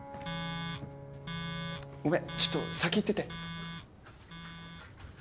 ごめんちょっと先行ってて。